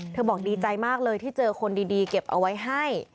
บอกดีใจมากเลยที่เจอคนดีเก็บเอาไว้ให้